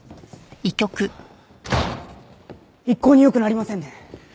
一向に良くなりませんね。